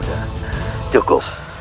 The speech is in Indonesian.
di depan aku